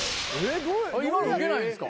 今のウケないんすか？